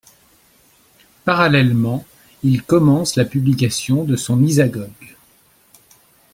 Parallèlement, il commence la publication de son Isagoge.